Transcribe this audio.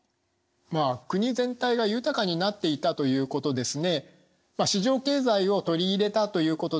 国全体が豊かになっていたということですね。